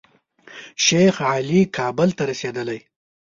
شیخ علي کابل ته رسېدلی.